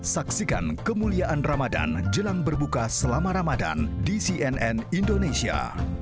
saksikan kemuliaan ramadan jelang berbuka selama ramadan di cnn indonesia